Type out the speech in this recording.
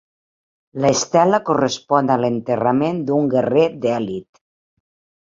L'estela correspon a l'enterrament d'un guerrer d'elit.